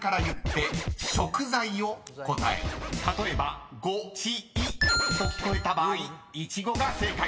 ［例えばごちいと聞こえた場合「いちご」が正解です］